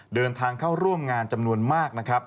เดินทางเข้าร่วมงานจำนวนมากนะครับ